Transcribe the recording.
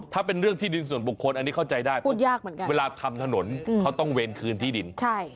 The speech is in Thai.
ถ้าเป็นเรื่องที่ดินส่วนบุคคลเข้าใจได้ว่าเวลาทำถนนเขาต้องเวนคืนที่ดิน